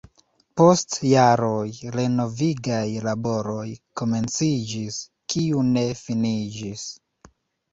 Post jaroj renovigaj laboroj komenciĝis, kiu ne finiĝis.